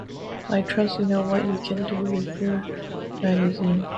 I trust you know what you can do with your magazine.